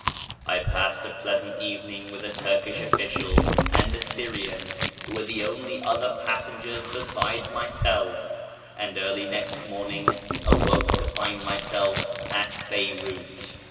I passed a pleasant evening with a Turkish official and a Syrian who were the only other passengers besides myself, and early next morning awoke to find myself at Beyrout.